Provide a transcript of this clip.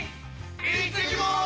いってきます！